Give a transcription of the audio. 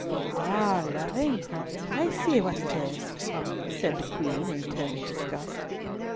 "Loving! Ah! I see what it is," said the Queen, in a tone of disgust.